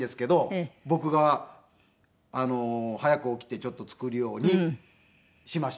僕が早く起きて作るようにしました。